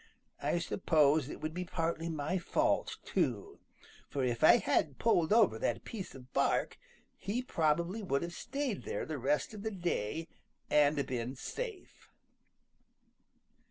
I suppose it would be partly my fault, too, for if I hadn't pulled over that piece of bark, he probably would have stayed there the rest of the day and been safe."